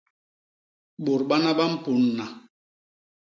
Bôt bana ba mpunna.